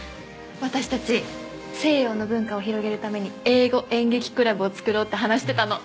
私たち西洋の文化を広めるために英語演劇クラブを作ろうって話してたの。